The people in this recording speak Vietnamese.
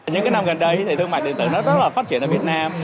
những cái năm gần đây thì thương mại điện tử nó rất là phát triển ở việt nam